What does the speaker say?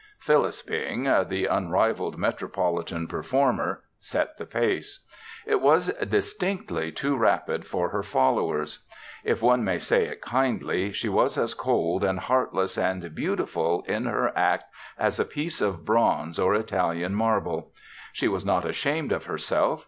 Phyllis Bing, the unrivaled metropolitan performer, set the pace. It was distinctly too rapid for her followers. If one may say it kindly, she was as cold and heartless and beautiful in her act as a piece of bronze or Italian marble. She was not ashamed of herself.